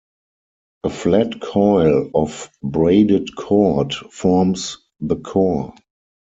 A flat coil of braided cord forms the core.